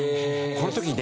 この時ね